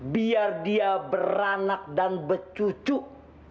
biar dia beranak dan bercucuk